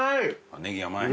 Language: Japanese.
ネギ甘い？